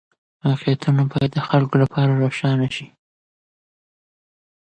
واقعيتونه بايد د خلګو لپاره روښانه سي.